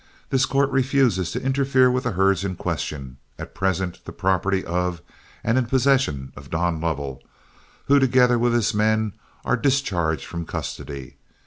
This court refuses to interfere with the herds in question, at present the property of and in possession of Don Lovell, who, together with his men, are discharged from custody.